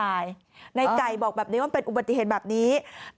มันเป็นวันเรียงมันเป็นวันเรียง